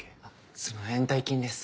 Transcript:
その延滞金です。